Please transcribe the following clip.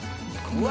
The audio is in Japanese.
うわ！